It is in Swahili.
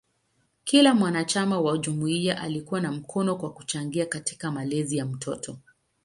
Kila mwanachama wa jumuiya alikuwa na mkono kwa kuchangia katika malezi ya mtoto.